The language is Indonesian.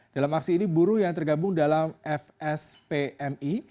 dalam aksi ini buruh yang tergabung dalam fspmi